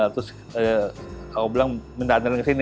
terus aku bilang minta antriin kesini